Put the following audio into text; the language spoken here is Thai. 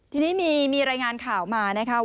อืมทีนี้มีรายงานข่าวมานะครับ